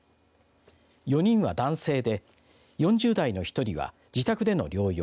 ４人は男性で４０代の１人は自宅での療養。